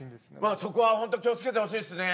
そこはほんと気を付けてほしいっすね。